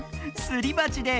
すりばちで。